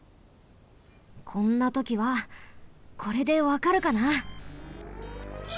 こんなときはこれでわかるかな？